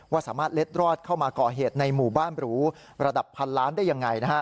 สามารถเล็ดรอดเข้ามาก่อเหตุในหมู่บ้านหรูระดับพันล้านได้ยังไง